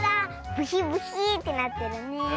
ブヒブヒーってなってるね。